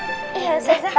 ayo sekarang kita mulai ya